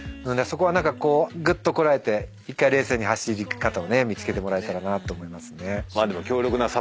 そこは何かこうぐっとこらえて１回冷静に走り方をね見つけてもらえたらなと思いますね。